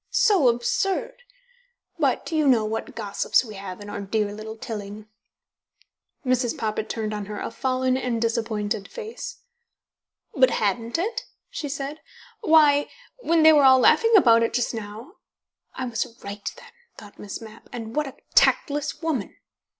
So absurd! But you know what gossips we have in our dear little Tilling." Mrs. Poppit turned on her a fallen and disappointed face. "But hadn't it?" she said. "Why, when they were all laughing about it just now" ("I was right, then," thought Miss Mapp, "and what a tactless woman!")